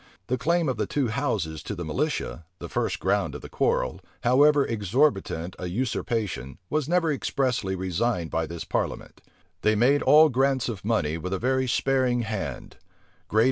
[*] The claim of the two houses to the militia, the first ground of the quarrel, however exorbitant a usurpation, was never expressly resigned by this parliament. They made all grants of money with a very sparing hand.